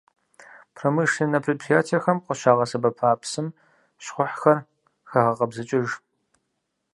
Промышленнэ предприятэхэм къыщагъэсэбэпа псым щхъухьхэр хагъэкъэбзыкӀыж.